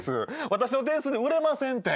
私の点数で売れませんて。